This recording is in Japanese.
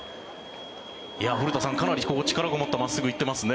古田さん、かなり力がこもった真っすぐ行ってますね。